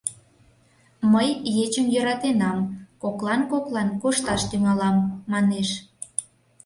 Мый ечым йӧратенам, коклан-коклан кошташ тӱҥалам, — манеш.